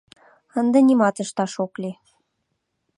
Ынде нимат ышташ ок лий.